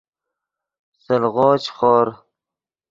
سلغو چے خور